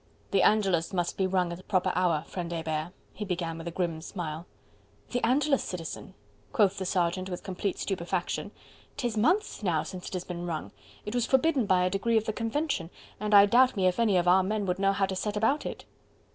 "The Angelus must be rung at the proper hour, friend Hebert," he began with a grim smile. "The Angelus, Citizen?" quoth the Sergeant, with complete stupefaction, "'tis months now since it has been rung. It was forbidden by a decree of the Convention, and I doubt me if any of our men would know how to set about it."